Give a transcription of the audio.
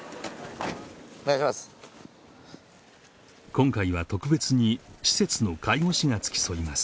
今回は特別に施設の介護士が付き添います